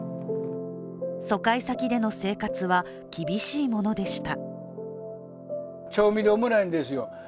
疎開先での生活は、厳しいものでした。